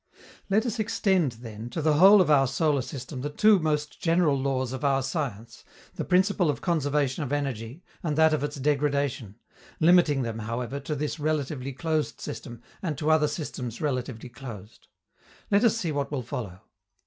Let us extend, then, to the whole of our solar system the two most general laws of our science, the principle of conservation of energy and that of its degradation limiting them, however, to this relatively closed system and to other systems relatively closed. Let us see what will follow.